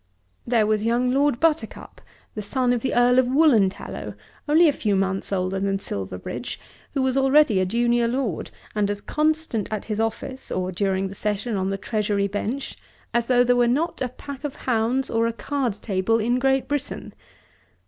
There was young Lord Buttercup, the son of the Earl of Woolantallow, only a few months older than Silverbridge, who was already a junior lord, and as constant at his office, or during the Session on the Treasury Bench, as though there were not a pack of hounds or a card table in Great Britain!